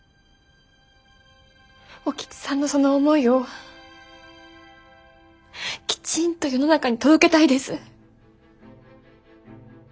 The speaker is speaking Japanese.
興津さんのその思いをきちんと世の中に届けたいです。